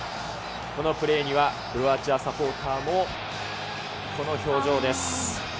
このプレーには、クロアチアサポーターも、この表情です。